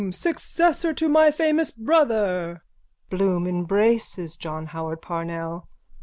Successor to my famous brother! BLOOM: _(Embraces John Howard Parnell.)